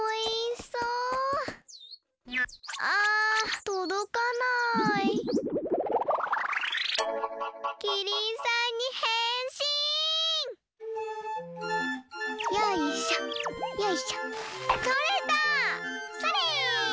それ！